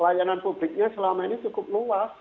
layanan publiknya selama ini cukup luas